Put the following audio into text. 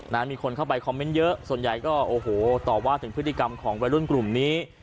มีคนเข้าไปคอมเมนต์เยอะส่วนใหญ่ก็โอ้โหตอบว่าถึงพฤติกรรมของวัยรุ่นกลุ่มนี้